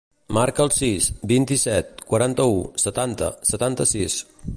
Marca el sis, vint-i-set, quaranta-u, setanta, setanta-sis.